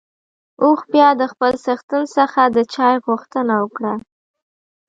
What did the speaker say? اوښ بيا د خپل څښتن څخه د چای غوښتنه وکړه.